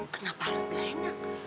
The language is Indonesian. kenapa harus gak enak